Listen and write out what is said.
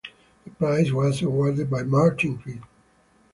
The prize was awarded by Martin Creed.